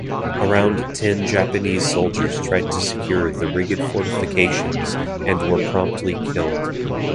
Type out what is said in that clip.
Around ten Japanese soldiers tried to secure the rigged fortifications and were promptly killed.